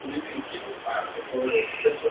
Es diócesis sufragánea de la archidiócesis de Toledo.